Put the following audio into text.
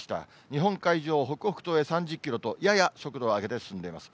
日本海上、北北東へ３０キロと、やや速度を上げて進んでいます。